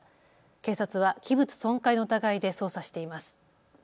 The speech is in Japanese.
警察は器物損壊の疑いで捜査しています。